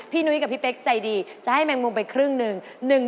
นุ้ยกับพี่เป๊กใจดีจะให้แมงมุมไปครึ่งหนึ่ง